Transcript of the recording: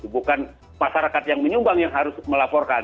bukan masyarakat yang menyumbang yang harus melaporkan